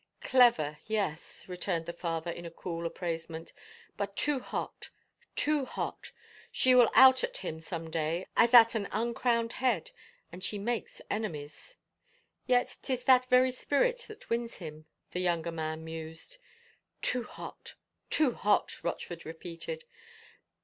" Clever, yes," returned the father in cool appraisement, " but too hot — too hot ! She will out at him some day as at an uncrowned head. ... And she makes enemies." " Yet 'tis that very spirit that wins him," the younger man mused. " Too hot — too hot," Rochford repeated.